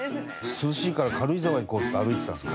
涼しいから軽井沢行こうっつって歩いてたんです